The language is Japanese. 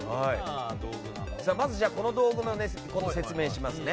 まずこの道具の説明をしますね。